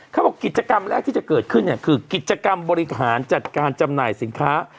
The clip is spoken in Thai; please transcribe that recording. เขาบอกกิจกรรมแรกที่จะเกิดขึ้นเนี่ยคือกิจกรรมบริหารจัดการจำหน่ายสินค้า